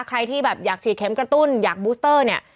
ใครที่แบบอยากฉีดเข็มกระตุ้นอยากบูสเตอร์เนี่ย